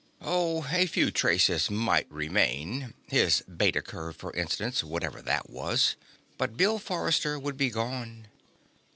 Oh, a few traces might remain his Beta curve, for instance, whatever that was. But Bill Forrester would be gone.